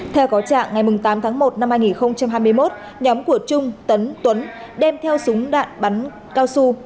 theo có trạng ngày tám tháng một năm hai nghìn hai mươi một nhóm của trung tấn tuấn đem theo súng đạn bắn cao su